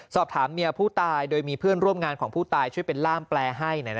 สอบถามเมียผู้ตายโดยมีเพื่อนร่วมงานของผู้ตายช่วยเป็นล่ามแปลให้